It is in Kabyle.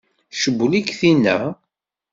Tcewwel-ik tinna?